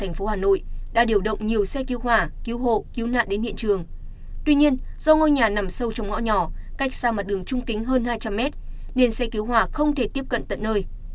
nên xe cứu hỏa không thể tiếp cận tận nơi